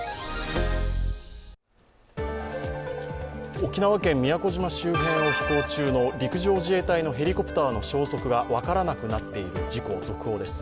沖縄県宮古島周辺を飛行中の陸上自衛隊のヘリコプターの消息が分からなくなっている事故の続報です。